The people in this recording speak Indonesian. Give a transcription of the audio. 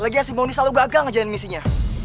lagi aja si mondi selalu gagal ngejalanin misinya